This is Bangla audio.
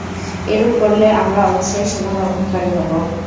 এরূপ করলে আমরা অবশ্যই সীমালংঘনকারী হব।